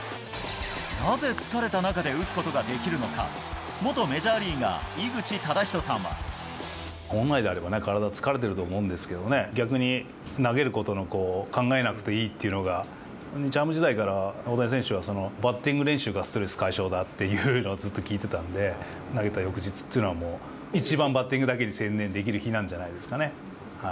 なぜ疲れた中で打つことができるのか、元メジャーリーガー、本来であればね、体疲れていると思うんですけどね、逆に、投げることを考えなくていいっていうのが、日ハム時代から、大谷選手はバッティング練習がストレス解消だというのをずっと聞いてたんで、投げた翌日っていうのは、もう一番、バッティングだけに専念できる日なんじゃないですかね。